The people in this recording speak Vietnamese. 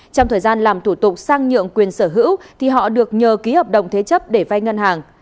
trong thời gian làm thủ tục sang nhượng quyền sở hữu thì họ được nhờ ký hợp đồng thế chấp để vay ngân hàng